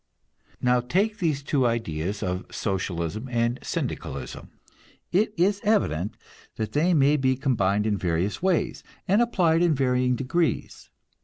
Now, taking these two ideas of Socialism and Syndicalism, it is evident that they may be combined in various ways, and applied in varying degrees.